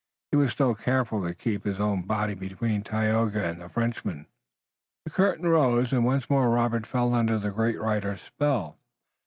He was still careful to keep his own body between Tayoga and the Frenchman. The curtain rose and once more Robert fell under the great writer's spell.